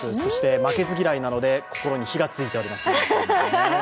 負けず嫌いなので心に火がついております。